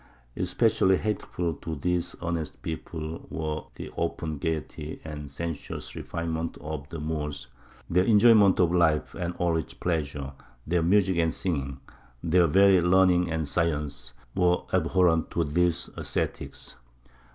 Especially hateful to these earnest people was the open gaiety and sensuous refinement of the Moors; their enjoyment of life and all its pleasure, their music and singing, their very learning and science, were abhorrent to these ascetics.